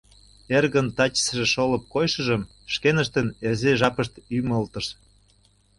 Эргын тачысе шолып койышыжым шкеныштын эрзе жапышт ӱмылтыш.